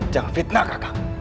jangan fitnah kakak